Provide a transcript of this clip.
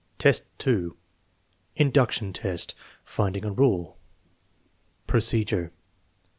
XIV, 2. Induction test: finding a rale Procedure.